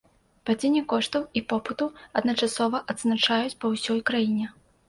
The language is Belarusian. Падзенне коштаў і попыту адначасова адзначаюць па ўсёй краіне.